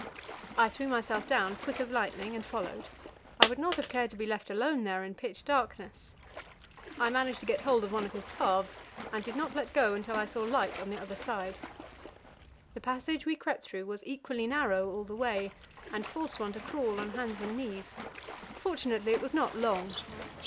I threw myself down, quick as lightning, and followed. I would not have cared to be left alone there in pitch darkness. I managed to get hold of one of his calves, and did not let go until I saw light on the other side. The passage we crept through was equally narrow all the way, and forced one to crawl on hands and knees; fortunately, it was not long.